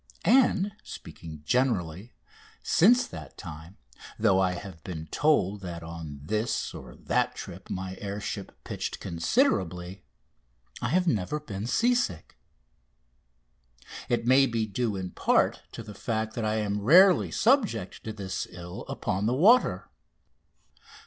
And, speaking generally, since that time, though I have been told that on this or that trip my air ship pitched considerably, I have never been sea sick. It may be due in part to the fact that I am rarely subject to this ill upon the water.